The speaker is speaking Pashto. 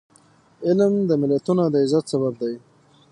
علم د ملتونو د عزت سبب دی.